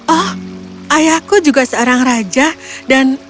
oh ayahku juga seorang raja dan